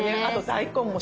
大根も？